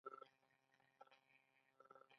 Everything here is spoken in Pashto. وروسته کوشانیان راغلل